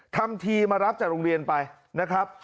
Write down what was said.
ทำทีมารับจากโรงเรียนไปนะครับ